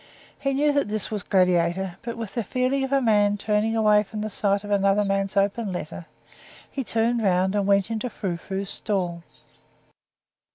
He knew that this was Gladiator, but, with the feeling of a man turning away from the sight of another man's open letter, he turned round and went into Frou Frou's stall.